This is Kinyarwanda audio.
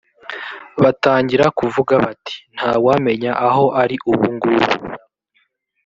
batangira kuvuga bati nta wamenya aho ari ubungubu